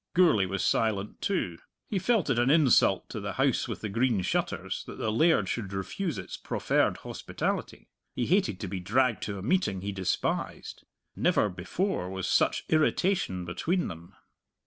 Gourlay was silent too. He felt it an insult to the House with the Green Shutters that the laird should refuse its proffered hospitality. He hated to be dragged to a meeting he despised. Never before was such irritation between them.